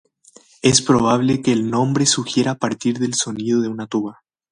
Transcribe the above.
Es probable que el nombre surgiera a partir del sonido de una tuba.